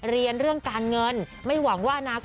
เรียนเรื่องการเงิน